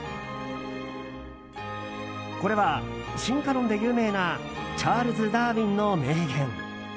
これは進化論で有名なチャールズ・ダーウィンの名言。